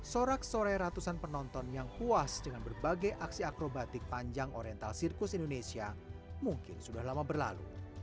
sorak sore ratusan penonton yang puas dengan berbagai aksi akrobatik panjang oriental sirkus indonesia mungkin sudah lama berlalu